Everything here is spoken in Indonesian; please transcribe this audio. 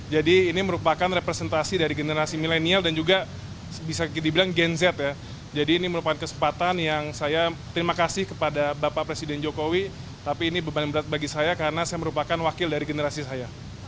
jadi ini merupakan kesempatan yang saya terima kasih kepada bapak presiden jokowi tapi ini beban berat bagi saya karena saya merupakan wakil dari generasi saya